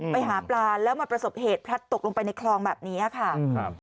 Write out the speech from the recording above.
ไปหาปลาแล้วมาประสบเหตุพลัดตกลงไปในคลองแบบนี้ค่ะครับ